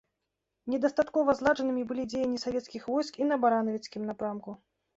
Недастаткова зладжанымі былі дзеянні савецкіх войск і на баранавіцкім напрамку.